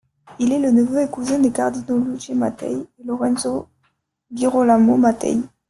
Il est le neveu et cousin des cardinaux Luigi Mattei et Lorenzo Girolamo Mattei.